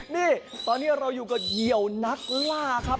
นี่ตอนนี้เราอยู่กับเหยียวนักล่าครับ